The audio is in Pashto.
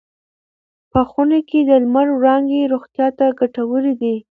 په خونه کې د لمر وړانګې روغتیا ته ګټورې دي.